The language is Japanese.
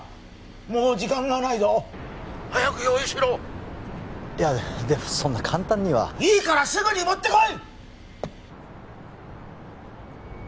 もう時間がないぞ☎早く用意しろでもそんな簡単にはいいからすぐに持ってこい！